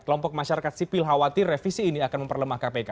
kelompok masyarakat sipil khawatir revisi ini akan memperlemah kpk